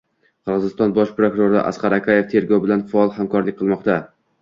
Qirg‘iziston Bosh prokuraturasi: Asqar Akayev tergov bilan faol hamkorlik qilmoqda